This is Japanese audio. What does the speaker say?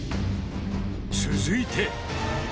［続いて］